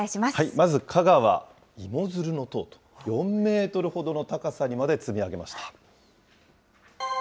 まず香川、芋づるの塔、４メートルほどの高さにまで積み上げました。